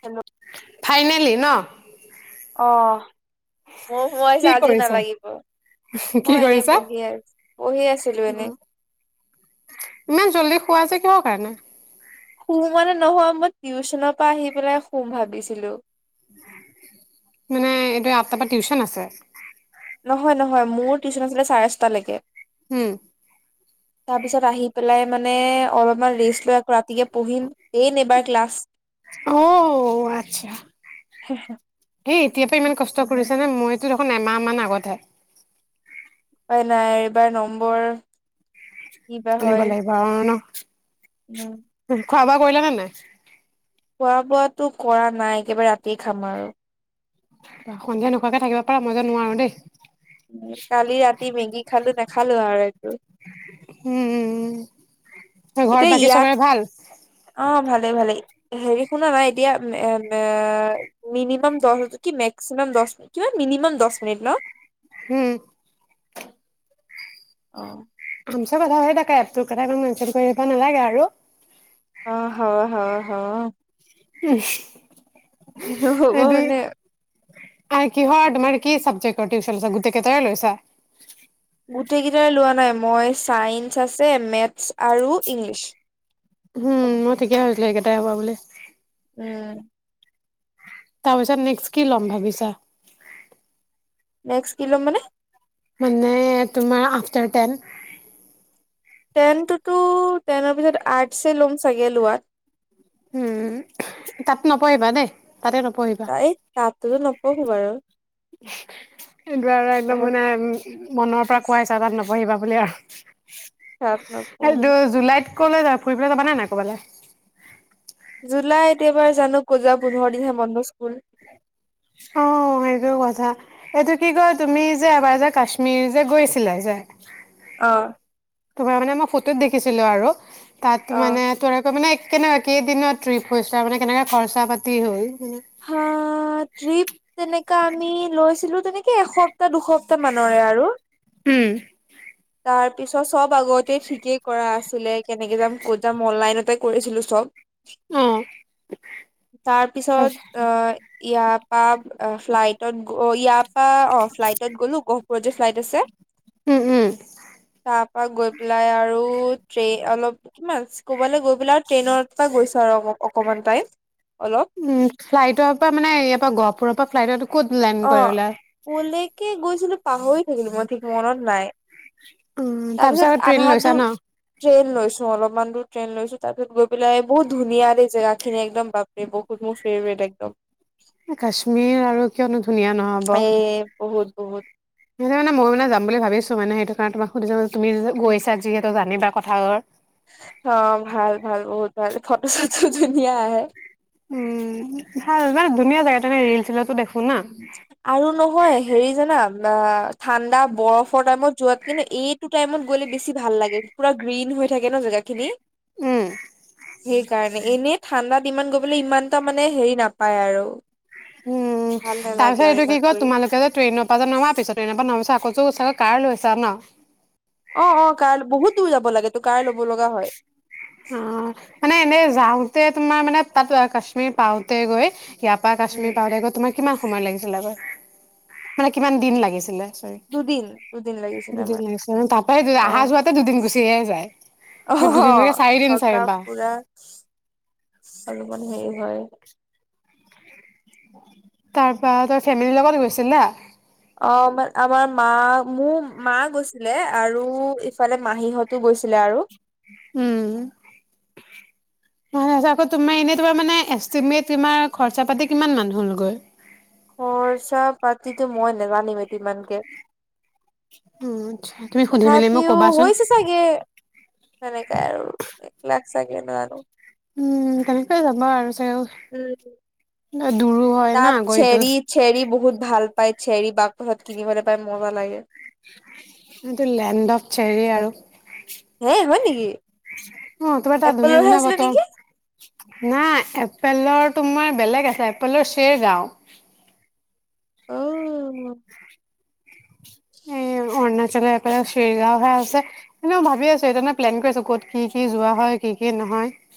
কেমত ফাইনেলি ন অহ মই সোৱাইছো কি আজি কৰিছা? নালাগিব কি মই এনেই কৰিছা? বহি আছো বহি আছিলো এনেই কিয় কাৰণে শু মানে নহয় মই টিউচনৰ পৰা আহি পেলাই শুম ভাবিছিলো মানে এইটো আঠটাৰ পৰা টিউচন আছে নহয় নহয় মোৰ টিউশচন আছিলে চাৰে ছটালৈকে হম তাৰপিছত আহি পেলাই মানে অলপমান ৰেষ্ট লৈ আকৌ ৰাতিকে পঢ়িম দেন এইবাৰ ক্লাছ ও আচ্ছা এই এতিয়াৰ পৰা ইমান কষ্ট কৰিছা নে মই দেখোন এমাহ মান আগতহে উপায় নাই এইবাৰ নম্বৰ কিবা হয় তেনেকুৱা লাগিবা আৰু ন উম খোৱা বোৱা কৰিলা নে নাই? খোৱা বোৱাতো কৰা নাই একেবাৰে ৰাতি খাম আৰু সন্ধিয়া নোখোৱাকে থাকিব পাৰা মই যে নোৱাৰো দেই। কালি ৰাতি মেগি খালো, নেখালো আৰু একো উম ঘৰত বাকী চবৰে ভাল ভালে ভালে হেৰি শুনা না এতিয়া এ এ মিনিমাম দ কি মেক্সিমাম দ মিনি মিনিমাম দহ মিনিট ন হম অহ মিচা কথা হৈ থাকে এপ টোত কথা খিনি মেনশন কৰিব নালাগে আৰু অ হয় হয় হয় হম [unintelligible] হ'বনে আৰু কিহৰ তোমাৰ কি চাবজেক্ট গোটেই কেইটাৰে লৈছা? গোটেইকেইটাৰে লোৱা নাই মই ছাইন্স আছে মেথছ আৰু ইংলিছ। উম মই ঠিকে ভাবিছিলোঁ এইকেইটাই লবা বুলি। উম তাৰ পিছত নেক্সট কি ল'ম ভাবিছা। নেক্স কি লম মানে? মানে তোমাৰ আফ্টাৰ টেন। টেনটোতো টেনৰ পিছত আৰ্টছেই ল'ম চাগে লোৱাত। উম তাত নপঢ়িবা দেই। তাতে নপঢ়িবা তাই তাত নপঢ়ো বাৰু। সেইটো আৰু একদম মানে উ মনৰ পৰা খোৱাইছা তাত নব পঢ়িবা বোলে আৰু তাৰ পা এইটো নপঢ়ো। জুলাইত ক'লৈ যায় ফুৰিব যাবা নে নাই ক'বালৈ? জুলাইত এইবাৰ জানো ক'ত যাওঁ, পোন্ধৰ দিনহে বন্ধ স্কুল। অ সেইটো কথা এইটো কি কয় তুমি যে এবাৰ যে কাশ্মীৰ যে গৈছিলা যে। অঁ। তোমাৰ মানে মই ফটোত দেখিছিলো আৰু। তাত অ মানে তক মানে। কেনেকুৱা কেইদিনত ট্ৰিপছ? তাৰ মানে কেনেকা খৰচা-পাতি হ'ল? অ', ট্ৰিপ তেনেক আমি লৈছিলো, তেনেকে এশপ সপ্তাহ- দুসপ্তাহ মানৰে আৰু। উম তাৰ পিছত চব আগতে ঠিকেই, কৰা আছিলে। কে এনেকে যাম, ক'ত যাম অনলাইনতে কৰিছিলো চব। অ তাৰ উম, পিছত। ইয় ইয়াত। বা ফ্লাইটত গৈ ইয়াত, অ', ফ্লাইটত গ'লো গহপুৰত যে ফ্লাইট আছে, উম, তাত গৈ পেলাই আৰু ট্ৰেই অলপ কিমান, ক'বালৈ গৈ পেলাই আৰু ট্ৰেইনৰ পৰা গৈছো আৰু অকমান টাইম। অলপ উম। ফ্লাইটৰ পৰা, মানে ইয়াৰ পৰা গহপুৰৰ পৰা ফ্লাইটৰটো ক'ত লেন অ কৰিলা? কলৈকে গৈছিলো, পাহৰি থাকিলো, মই ঠিক মনত নাই। উম, আৰু তাৰপিছত ট্ৰেইন আধা লৈছা দূৰ ন? ট্ৰেইন লৈছো, অলপমান দূৰ। ট্ৰেইন লৈছো তাৰপিচত গৈ পেলাই বহুত ধুনীয়া দে জেগা খিনি একদম বাপৰে, বহুত মোৰ ফেভৰেট একদম। কাশ্মীৰ আৰু কিয়নো ধুনীয়া নহ'ব, এ বহুত বহুত সেই মানে মই মানে যাম বুলি ভাবিছ ত' মানে সেইটো কাৰণে তোমাক সুধি ল'লোঁ তুমি উম গৈছা যিহেতু জানিবা। কথাৰে অ', ভাল-ভাল বহুত ভাল, ফটো-চটো ধুনীয়া আহে। উম ভাল মানে ধুনীয়া জাগা, আমি ৰিল-চিল তো দেখ আৰু নহয় হেৰি জানা অ ঠাণ্ডা-বৰফৰ টাইমত যোৱাত কে ন এইটো টাইমত গ'লে বেছি ভাল লাগে, পুৰা গ্ৰীণ হৈ থাকে ন জেগা খিনি। উম, সেইকাৰ এনেই ঠাণ্ডাত ইমান গৈ পেলাই ইমানটা মানে হেৰি নাপায় আৰু। উম, ভাল তাৰ নালাগে পিছত আৰু এইটো কি ইমান কয় গৈ তোমালোকে যে টেইনৰ পৰা যে নামা পিছত, ট্ৰেইনৰ পৰা নামা পিছ [unintelligible] কাৰ লৈছা ন। অ'-অ' কাৰ লৈ বহুত দূৰ যাব লাগে তো কাৰ ল' অ', মানে এনেই যাওঁ তে তোমাৰ মানে তাত কাশ্মীৰ পাওঁতে গৈ ইয়াপা উম কাশ্মীৰ পাওঁতে গৈ তোমাৰ কিমান সময় লাগিছিল গৈ। মানে কিমান দিন লাগিছিলে। চৰি, দুদিন দুদিন লাগিছিলে দুদিন আমাৰ লাগিছে ন, তাপা এই অ অহা যোৱাতে দুদিন গুচিহে যায় । অ' থকা ফুৰা আৰু মানে হে সেই হয়। তাৰপা তই ফেমিলিৰ লগত গৈছিলি ন। অ' মই আমাৰ মা, মোৰ মা গৈছিলে আৰু ইফালে মাহীহঁতো গৈছিলে আৰু। উম, নহয় চা আকৌ তোমাৰ এনে তোমাৰ মে এষ্টিমেট তোমাৰ খৰচা পাতি কিমান মান হ'লগৈ। খৰচা পাতিতো মই নেজানিম এ কিমানকে। অ', আচ্ছা তুমি সুধি মেলি মোক তথাপিও ক'বাচোন। হৈছে চাগে, তেনেকাই আৰু এক লাখ চাগে নাজানো। উম, তেনেকাই যাবা আৰু ছাগে উম তাত চেৰি- চেৰি বহুত ভাল পাই চেৰী বাটপথত কিনিবলৈ পাই মজা লাগে। এইটো লেণ্ড অফ চেৰি আৰু। হে হয় নেকি অ' তোমাৰ তাত এপলৰহে ধুনীয়া-ধুনীয়া আছিলে ফটো, নেকি নাই এপেলৰ তোমাৰ বেলেগ আছে, এপেলৰ চেৰ গাওঁ। অঁ এ অৰুণাচলৰ এইফালে ছেৰগাঁওহে আছে, এনে ভাবি আছো এতিয়া ন প্লেন কৰি আছো, ক'ত কি- কি যোৱা হয় কি-কি নহয় ।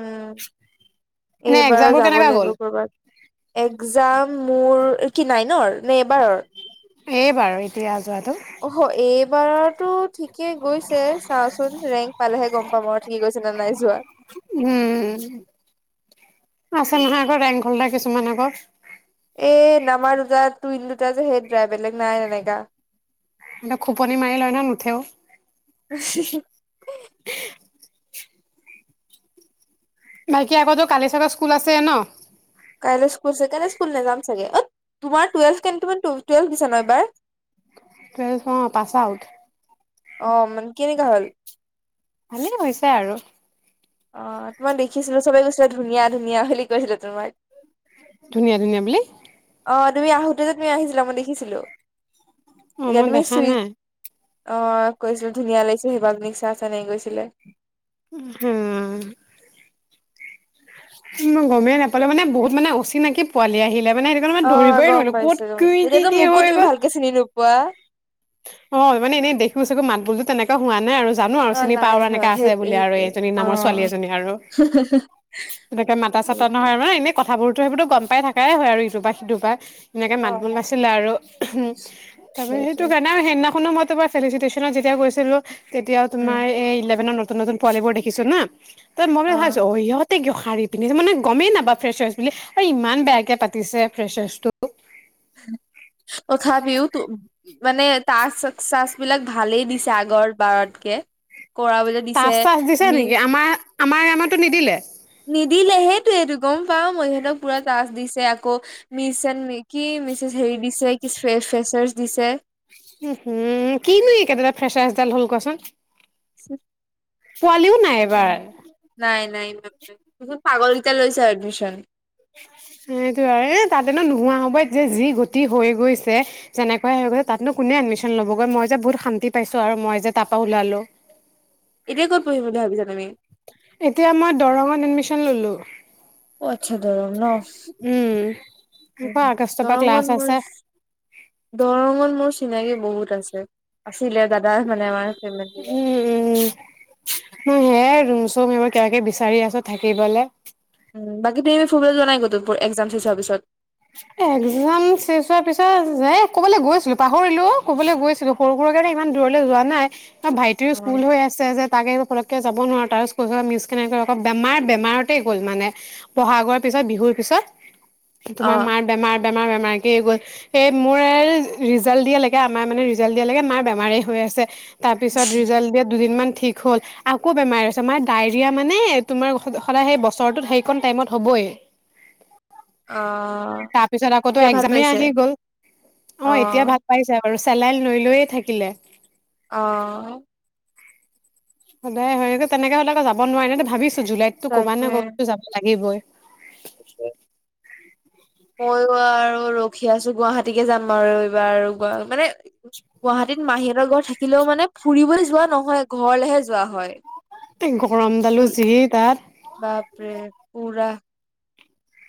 উম এইবাৰ এক্জামবোৰ যাব কেনেকা গ'ল? লাগিব কৰবাত। এক্সাম মোৰ কি নাইনৰ নে এবাৰৰ? এই বাৰ এতিয়া যোৱাটো। অ এইবাৰৰতো ঠিকেই গৈছে চাওচোন ৰেংক পালেহে গম পাম আৰু ঠিক হৈছে নে নাই যোৱা। উম আছে নহয় আকৌ ৰেংক হলডা কিছুমান আকৌ। এই নামাৰ দুটা টুইন দুটা যে সেই দুটাই বেলেগ নাই এনেকা । খোপনি মাৰি লয় নহয় নুঠেও । হাঃহাঃহা। বাকী আকৌ তোৰ কালি চাগে স্কুল আছে ন? কাইলৈ স্কুল আছে, কাইলৈ স্কুল নাযাম চাগে অ তোমাৰ টুৱেলভ দিছা ন এইবাৰ টুৱেলভ অ পাছ আউট। অ মানে কেনেকা হল? ভালেই হৈছে আৰু। অ তোমাক দেখিছিলো চবে কৈছে ধুনীয়া ধুনীয়া বুলি কৈছিলে তোমাক। ধুনীয়া ধুনীয়া বুলি? অ তুমি আহোতে যে তুমি আহিছিলা মই দেখিছিলো। অ তেতিয়া মই তুমি দেখা চুই নাই । অ কৈছিলে ধুনীয়া লাগিছে সেই বাজনীক চা চা এনেকে কৈছিলে। হুম। [inaudible] মই গমেই নাপালো মানে বহুত মানে অচিনাকি পোৱালি আহিলে। মানে সেইটো কাৰণে মানে অ ধৰিবই নোৱাৰিলো ক'ত গমপাইছো গমপাইছো কি কি তেতিয়াতো কি মোকো হৈ তুমি গ'ল ভালকে চিনি নোপোৱা? অ মানে এনেই দেখো চাগো মাত বোলতো তেনেকা হোৱা নাই আৰু জানো আৰু অ চিনি পাওঁ নাই আৰু হয় এনেকা আছে সেইটোৱে বুলি আৰু সেইটোৱে। এইজনী অ নামৰ ছোৱালী এজনী আৰু তেনেকে মাতা চাতা সেইটোৱে। নহয় আৰু মানে এনেই কথাবোৰ ত সেইবোৰতো গম পাই থকাই হয় আৰু ইটোপা সিটোপা এনেকে অ মাতবোল অ নাছিলে আৰু সেইটোৱে। তাৰপা [unintelligible] ন মই তোমাৰ [unintelligible] যেতিয়া গৈছিলো তেতিয়াও উম তোমাৰ এই ইলেভেনৰ নতু নতুন নতুন পোৱালীবোৰ দেখিছো না। তেতিয়া মই মানে ভাৱিছো অ ইহঁত কিয় শাৰী পিন্ধিছে মানে গমেই নাপাও ফ্ৰেচাৰ্চ বুলি ইমান বেয়াকে পাতিছে ফ্ৰেচাৰ্চটো। তথাপিওতো মানে তাচ-চাচ বিলাক ভালেই দিছে আগৰ বাৰতকে। কৰাবলৈ দিছে তাচ চাচ দিছে নিকি? মিচ আমাৰ আমাৰ আমাতো নিদিলে। নিদিলে সেইটোৱেটো গম পাওঁ মই সিহঁতক পুৰা টাচ দিছে আকৌ মিচ এন্দ কি মিচেছ হেৰি দিছে কি ফে-ফে-ফ্ৰেছাৰ্ছ দিছে। উ হু কিনো একেদেতা হৈচে‌ ফ্ৰেচাচডাল হ'ল কোৱাচোন? [unintelligible] পোৱালিও নাই এবাৰ নাই -নাই পাগলকেইটা লৈছে এডমিশ্যন। সেইটো আৰু এ তাততেনো নোহোৱা হ'ব যে যি গতি হৈ গৈছে যেনেকুৱা হৈ গৈছে তাতনো কোনে এডমিশন ল'বগৈ মই যে বহুত শান্তি পাইছো আৰু মই যে তাপা ওলালো। ক'তপঢ়িম বুলি ভাবিছা তুমি? এতিয়া মই দৰঙত এডমিছন ললো। অ আচ্ছা দৰং ন' উম উ আকৌ আগষ্টৰ পৰা ক্লাছ দৰঙত মোৰ আছে দৰঙত মোৰ চিনাকি বহুত আছে। ছিলে দাদা মানে আমাৰ ফেমিলিঅ উম উম সেয়া ৰুম - চোম সেইবোৰ কিবা কিবি বিচাৰি আছো থাকিবলে। উম বাকী তুমি ফুৰিবলৈ যোৱা নাই ক'তো এক্জাম চেকজামৰ পিছত? এক্জাম চেচ হোৱাৰ পিছত এ কবালৈ গৈছিলো পাহৰিলো অ কবলৈ গৈছিলো সৰু সুৰা কাৰণে ইমান দূৰলৈ যোৱা নাই। অ ভাইটিৰো স্কুল অ', হৈ আছে যে তাকে যাব নোৱাৰো তাৰপিছ কৈ মিছ কেনেকৈ আকৌ বেমাৰ বেমাৰতে গ'ল মানে বহাগৰ পিছত, বিহুৰ পিছত। তোমাৰ অ', মাৰ বেমাৰত বেমাৰ বেমাৰকে গ'ল এই মোৰ ৰিজাল্ট দিয়ালৈকে আমাৰ মানে ৰিজাল্ট দিয়া লেকে মাৰ বেমাৰে হৈ আছে। তাৰ পিছত ৰিজাল্ট দিয়া দুদিনমান ঠিক হ'ল আকৌ বেমাৰ আৰ ডায়ৰিয়া মানে তোমাৰ সদায় সেই বছৰটোত সেইকণ টাইমত হ'বই অ', তাৰ পিছত আকৌ এতিয়া ভাল একজামে পাইছে? আহি গ'ল, অ এতিয়া ভাল পাইছে আৰু চেলাইন লৈ লৈয়ে থাকিলে অ সদায় হয় তেনেকে হ'লে আকৌ যাব নোৱাৰি ন ভাবিছে জুলাইতো ক'বা নে তাকে। কবাত যাব লাগিবই ময়ো আৰু ৰখি আছো গুৱাহাটীকে যাম আৰু এইবাৰ আৰু গুৱা মানে গুৱাহাটীত মাহীহঁতৰ ঘৰ থাকিলেও মানে ফুৰিবলৈ যোৱা নহয় ঘৰলেহে যোৱা হয় তেটেংক ৰম দালো যি তাত বাপৰে পুৰা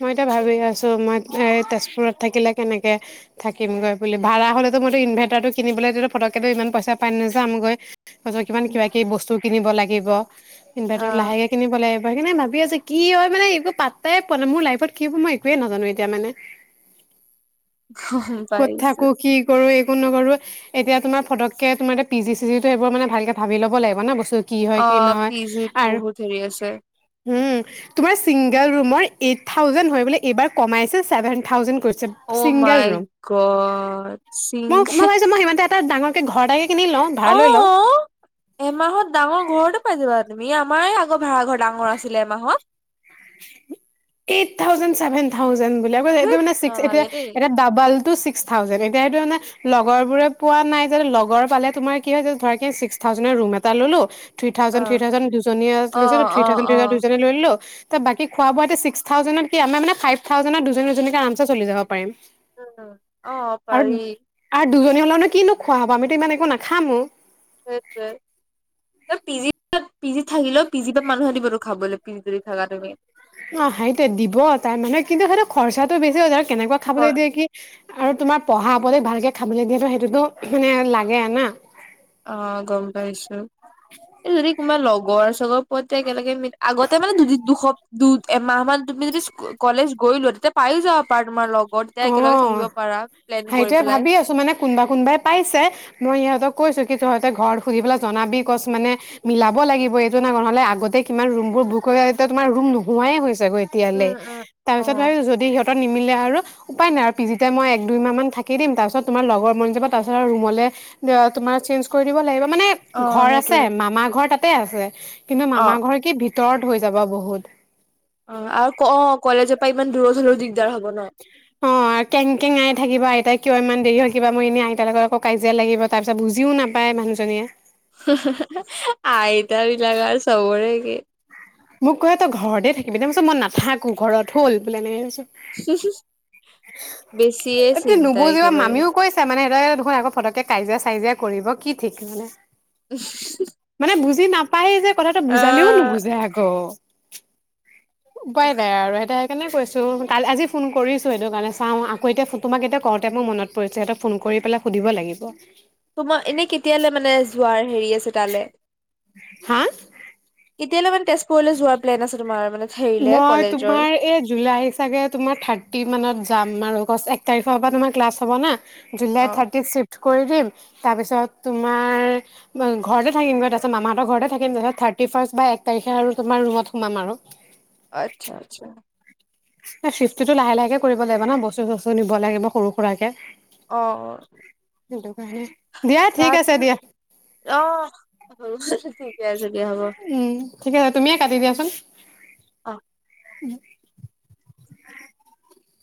মই এতিয়া ভাবি আছো মই এই তেজপুৰত থাকিলে কেনেকে থাকিমগৈ বুলি ভড়া হ'লে মইতো ইনভাৰ্টাৰটো কিনিবলৈ ফটকেতো ইমান পইচা পাই নাযামগৈ পাছত কিমান কিবা কি বস্তু কিনিব লাগিব ইনভাৰটাৰ অ', লাহেকে কিনিব লাগিব সেই কাৰনে ভাবি আছে কি হয় মানে এইবোৰ পাতাই মানে মোৰ লাইফত কি হ'ব মই একোৱে নাজানো এতিয়া মানে গম ক'ত পাইছো। থাকো কি কৰো নকৰো এতিয়া তোমাৰ পটকে তোমাৰ পি জি চিজি টো সেইবোৰ মানে ভালকে ভাবি ল'ব লাগিব ন বস্তুটো অ', পিজিত বহুত হেৰি আছে। উম তোমাৰ চিংগল ৰুমৰ এইট থাউজেড হয় এইবাৰ কমাইছে চেভেন থাউজে কৰি অ' মাই গত চিং তাত ডাঙৰ কে ঘৰ‌ এটা কে অ' এমাহত ডাঙৰ ঘৰতে পাই যাবা আৰু তুমি আমাৰ এই আগৰ ভাড়া ঘৰ ডাঙৰ আছিলে এমাহত এইট থাউজে ছেভেন থাউজে বুলি এইটো ধেত মেক্স এতিয়া নালাগে দেই এটা ডাবল টো চিক থােউজে এতিয়া সেইটো লগৰ বোৰে পোৱা নাই যে লগৰ পালে তোমাৰ কি হয় ধ্স থাউজে ৰুম এটা ললো থ্ৰ থাউজেন অ থ্ৰ থাউজেন দুজনীয়ে অ লৈছো অ থাউজেন অ থ্ৰ দুজনী লৈ লো। ত বাকী খোৱা বোৱা এয়া ছিকস থাউেনত কি আমাৰ মান ফাইভ থাউেনত দুজন দুজনীক আৰামচে চলি যাব। পাৰিম। উ অ' আৰু পাৰি। আৰু দুজনী হ'লে মানো কিনো খোৱা হ'ব আমিতো ইমান একো নাখামো। স পিজিত পিজিত থাকিলেও পিজিত মানুহ দিব আৰু খাবলৈ পিজিত যদি থাকা তুমি। অ' সেইটো দিব তাৰ মানে কিন্তু সেইটো খৰচাটো বেছি হৈ কেনেকুৱা খাবলৈ হয় দিয়ে কি আৰু তোমাৰ পঢ়া শনিত ভালকে খাবলৈ দিয়াতটো সেইটোতো মানে লাগে না। অ' গম পাইছোঁ এই যদি তোমাৰ লগৰ চগৰ আতে একেলগে ম আগতে মানে দুদ দুশপ দু এমাহ মান তুমি যদি কলেজ গৈলো তেতিয়া পাইও যাব পাৰা তোমাৰ লগ। অ' সেইটোয়ে পেলাই ভাবি আছো মানে কোনোবা কোনোবাই পাইছে মই ইহঁতক কৈছো। তহঁতে ঘৰত সুধি পেলাই জনাবি কছ মানে মিলাব লাগিব এইটো ন নহ'লে আগতে কিমান ৰুম বোৰ বুক কৰি তেতিয়া তোমাৰ ৰুম নোহোৱাই হৈছে। হ এতিয়ালৈ উম উম অ তাৰপিছত ভাবো যদি সিহ নিমিলে আৰু উপায় নাই আৰু পিজিতে মই এক দুইমাহ মান থাকি দিম তাৰপিছত তোমাৰ লগৰ মন যাব তাৰপিছ ৰুমলৈ তোমাৰ চেঞ্জ কৰি দিব লাগিব। মানে অ ঘৰ আছে সেইটোৱে মামা ঘৰ ত ততে আছে। কিন্তু অ মামা ঘৰ কি তট হৈ যাব বহুত। অ' আৰু অ' কলেজৰ পৰা ইমান দূৰত হলেও দিগদাৰ হব ন। অ' কেং কেং আই থাকিব আইতাই কিয় ইমান দেৰি হল কিবা মই এনেই আইতাৰ লগত আকৌ কাজিয়া লাগিব তাৰ পিছত বুজিও নাপায় মানুহজনীয়ে। হু হু হু আইতাবিলাক আৰু চবৰে কি । মোক কৈঁ তই ঘৰতে থাকিবি দে পিছত মই নাথাকো ঘৰত হ'ল বোলে এনেকে কৈছো। বেছিয়ে এ চিন্তা নুবুজিবা একেবাৰে মামিও কৈছে মানে সিহঁ দেখোন আকৌ ফটকে কাজিয়া চাই যা কৰিব কি ঠিক মানে। মানে বুজি নাপায় যে কথাটো অ বুজালেও নুবুজে আক [inaudible] উপায় নাই আৰু সেতে কেনে কৈছোঁ কাল আজি ফোন কৰিছোঁ সেইটো কাৰণে চাওঁ আকৌ এতিয়া তোমাক এতিয়া কওঁতে মোৰ মত পৰিছে সিহঁতক ফোন কৰি পেলাই সুধিব লাগিব। তোমা এনেই কেতিয়ালৈ মানে যোৱাৰ হেৰি আছে তালৈ। হা এতিয়ালৈ মানে তেজ মই কলেজৰ তোমাৰ এই জুলাই চাগে তোমাৰ থাৰ্টি মানত যাম আৰু। গছ এক তাৰিখৰ পৰা তোমাৰ ক্লাছ' হ'ব না। জুলাই অ থাৰ্টি ফিফ । কৰি দিম তাৰপিছত তোমাৰ ঘৰতে থাকিমগৈ তাৰপিছত মামাহঁতৰ ঘৰতে থাকিম তাৰপিছত থাৰ্টি ফাৰ্ষ্ট বা এক তাৰিখে আৰু তোমাৰ ৰুমত সোমাম আৰু। আচ্ছা আচ্ছা। ফিফটিটো লাহে লাহেকে কৰিব লাগিব ন বস্তু চস্তু নিব লাগিব সৰু সৰু সুৰাকে। অ সেইটো কাৰণে দিয়া ঠিক তাত আছে দিয়া আহ উম ঠিকে আছে তুমিয়ে কাটি দিয়াচোন অ । [inaudible]